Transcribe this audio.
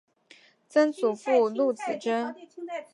曾祖父陆子真。